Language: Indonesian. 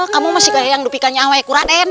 kamu masih gaya yang dupikanya awaiku raden